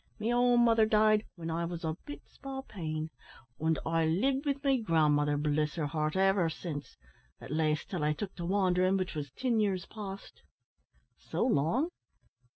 Me own mother died whin I wos a bit spalpeen, an' I lived wi' me grandmother, bliss her heart, ever since, at laste till I took to wanderin', which was tin years past." "So long!